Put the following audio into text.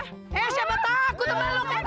eh siapa takut sama lu kan cik